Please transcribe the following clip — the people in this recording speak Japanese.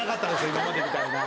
今までみたいな。